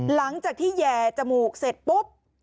หลังจากที่แห่จมูกเสร็จปุ๊บ